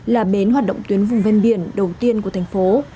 là bến hoạt động tuyến vùng ven biển đầu tiên của thành phố